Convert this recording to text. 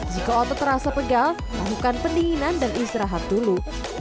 jika otot terasa pegal lakukan pendinginan dan istirahat dulu